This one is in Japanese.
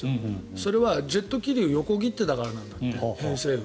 それはジェット気流を横切っていたからなんだって偏西風を。